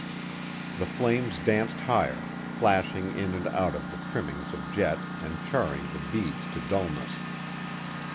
The flames danced higher, flashing in and out of the trimmings of jet and charring the beads to dullness.